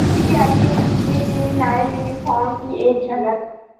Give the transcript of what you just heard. P I A عملے کے نئے یونیفارم کی ایک جھلک